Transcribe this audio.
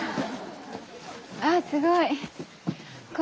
あすごい。